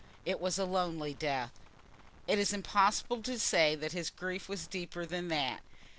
It was a lonely death." It is impossible to say that his grief was deeper than that.